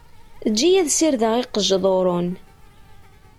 Eǧǧ-iyi ad sirdeɣ iqejḍuṛen.